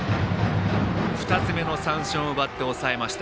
２つ目の三振を奪って抑えました。